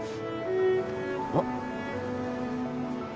あっ。